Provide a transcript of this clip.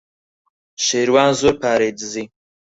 شێروان زۆر پارەی دزی.